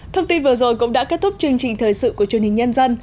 thông tin vừa rồi cũng đã kết thúc chương trình thời sự của truyền hình nhân dân